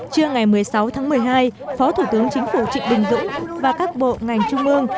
trưa ngày một mươi sáu tháng một mươi hai phó thủ tướng chính phủ trịnh đình dũng và các bộ ngành trung ương